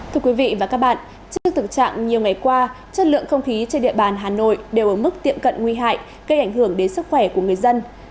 thưa quý vị và các bạn trước thực trạng nhiều ngày qua chất lượng không khí trên địa bàn hà nội đều ở mức tiệm cận nguy hại gây ảnh hưởng đến sức khỏe của người dân